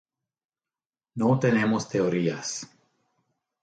No tenemos teorías.